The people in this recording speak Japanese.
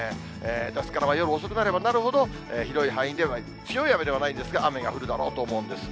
ですから、夜遅くなればなるほど、広い範囲で、強い雨ではないんですが、雨が降るだろうと思うんです。